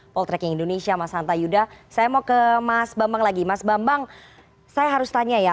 poltreking indonesia mas hanta yuda saya mau ke mas bambang lagi mas bambang saya harus tanya ya